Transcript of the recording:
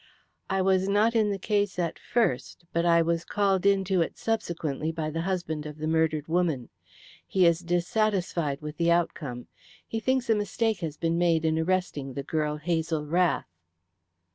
"I was not in the case at first, but I was called into it subsequently by the husband of the murdered woman. He is dissatisfied with the outcome. He thinks a mistake has been made in arresting the girl Hazel Rath."